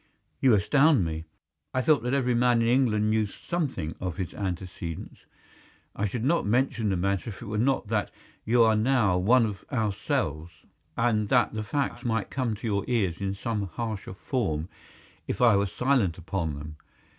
"You astound me. I thought that every man in England knew something of his antecedents. I should not mention the matter if it were not that you are now one of ourselves, and that the facts might come to your ears in some harsher form if I were silent upon them.